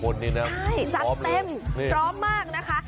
นี่นะใช่จัดเต็มพร้อมมากนะคะ